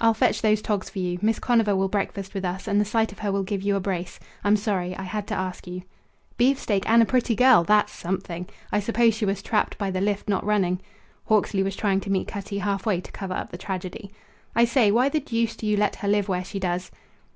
"I'll fetch those togs for you. Miss Conover will breakfast with us, and the sight of her will give you a brace. I'm sorry. I had to ask you." "Beefsteak and a pretty girl! That's something. I suppose she was trapped by the lift not running." Hawksley was trying to meet Cutty halfway to cover up the tragedy. "I say, why the deuce do you let her live where she does?"